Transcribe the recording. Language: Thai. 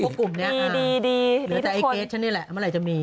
เดี๋ยวกุ่มนี้หลังจากไอ้เกดฉันนี่แหละไว้จะมี